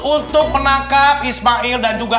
untuk menangkap ismail dan juga